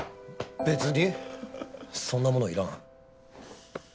別にそんなものいらん。